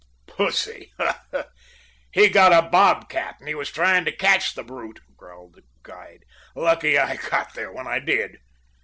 "Pussy! Huh! He got a bob cat and he was trying to catch the brute," growled the guide. "Lucky I got there when I did."